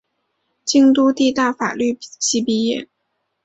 京都帝大法律系毕业。